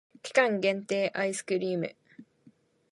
期間限定アイスクリーム